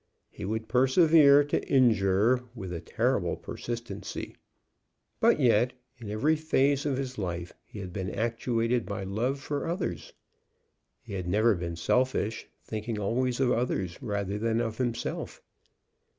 He would persevere to injure with a terrible persistency; but yet in every phase of his life he had been actuated by love for others. He had never been selfish, thinking always of others rather than of himself.